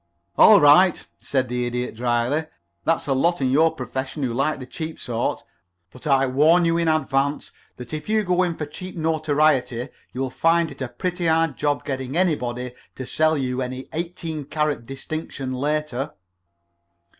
"All right," said the Idiot, dryly. "There's a lot in your profession who like the cheap sort. But I warn you in advance that if you go in for cheap notoriety, you'll find it a pretty hard job getting anybody to sell you any eighteen karat distinction later."